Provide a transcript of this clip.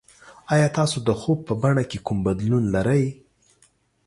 ایا تاسو د خوب په بڼه کې کوم بدلون لرئ؟